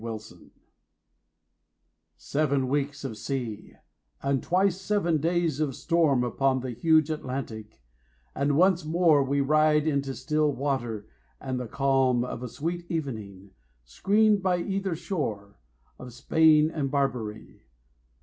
GIBRALTAR Seven weeks of sea, and twice seven days of storm Upon the huge Atlantic, and once more We ride into still water and the calm Of a sweet evening, screened by either shore Of Spain and Barbary.